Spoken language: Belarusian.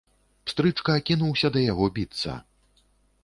Пстрычка кінуўся да яго біцца.